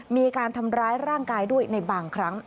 มีการทำร้ายร่างกายด้วยในบางครั้ง